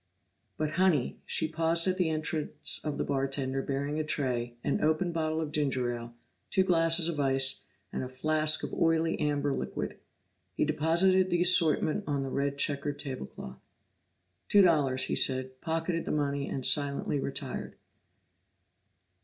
"But Honey " she paused at the entrance of the bartender bearing a tray, an opened bottle of ginger ale, two glasses of ice, and a flask of oily amber liquid. He deposited the assortment on the red checked table cloth. "Two dollars," he said, pocketed the money and silently retired.